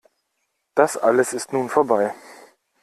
Das alles ist nun vorbei.